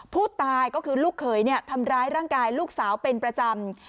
ผู้ตายก็คือลูกเขยทำร้ายร่างกายลูกสาวเป็นประจำ